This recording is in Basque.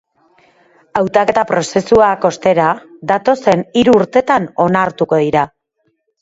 Hautaketa prozesuak, ostera, datozen hiru urtetan onartuko dira.